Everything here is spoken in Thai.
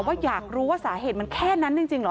ว่าอยากรู้ว่าสาเหตุมันแค่นั้นจริงเหรอ